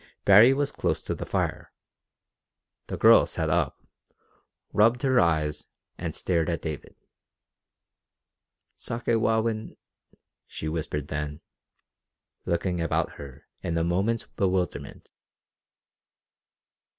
Baree was close to the fire. The girl sat up, rubbed her eyes, and stared at David. "Sakewawin," she whispered then, looking about her in a moment's bewilderment.